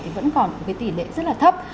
thì vẫn còn cái tỷ lệ rất là thấp